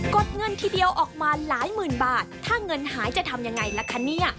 ดเงินทีเดียวออกมาหลายหมื่นบาทถ้าเงินหายจะทำยังไงล่ะคะเนี่ย